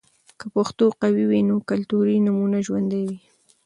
که پښتو قوي وي، نو کلتوري نمونه ژوندۍ وي.